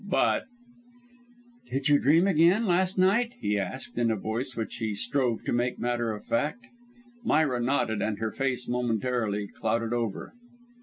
But: "Did you dream again, last night?" he asked, in a voice which he strove to make matter of fact. Myra nodded and her face momentarily clouded over.